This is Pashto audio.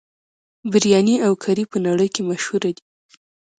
بریاني او کري په نړۍ کې مشهور دي.